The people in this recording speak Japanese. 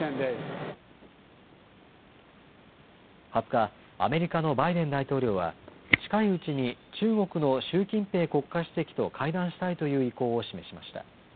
２０日、アメリカのバイデン大統領は近いうちに中国の習近平国家主席と会談したいという意向を示しました。